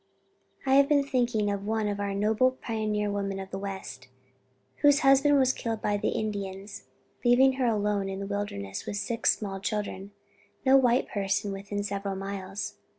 "I have been thinking of one of our noble pioneer women of the West, whose husband was killed by the Indians, leaving her alone in the wilderness with six small children, no white person within several miles.